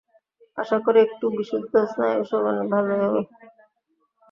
আশা করি, একটু বিশুদ্ধ বায়ুসেবনে ভালই হবে।